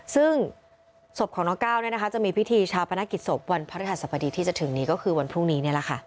ซึ่งศพของน้องก้าวจะมีพิธีชาปนกิจศพวันพระฤหัสบดีที่จะถึงนี้ก็คือวันพรุ่งนี้